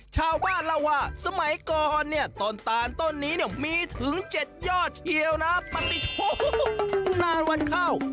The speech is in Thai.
ชาวบ้านเราสมัยก่อนต้นตาลต้นนี้มีถึงเจ็ดยอดเยี่ยวนะปะติดโหนานวันเข้า